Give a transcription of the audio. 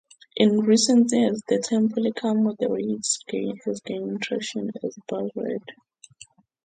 In recent years, the term "political moderates" has gained traction as a buzzword.